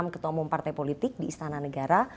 enam ketomong partai politik di istana negara